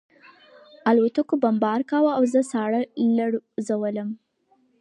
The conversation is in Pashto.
الوتکو بمبار کاوه او زه ساړه لړزولم